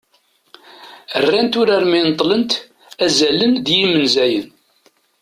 rrant urar mi neṭṭlent "azalen d yimenzayen"